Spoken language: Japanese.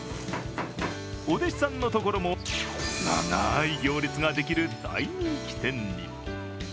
お弟子さんのところも長い行列ができる大人気店に。